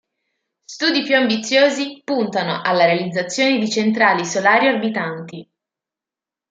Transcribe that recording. Studi più ambiziosi puntano alla realizzazione di centrali solari orbitanti.